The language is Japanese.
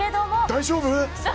大丈夫。